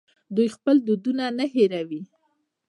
دوی خپل دودونه نه هیروي.